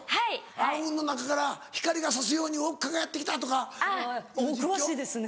「暗雲の中から光が差すようにウオッカがやって来た」。お詳しいですね。